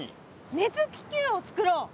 熱気球をつくろう。